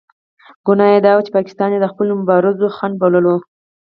ګناه یې دا وه چې پاکستان یې د خپلو مبارزو خنډ بللو.